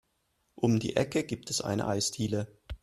Um die Ecke gibt es eine Eisdiele.